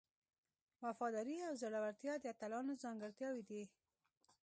وفاداري او زړورتیا د اتلانو ځانګړتیاوې دي.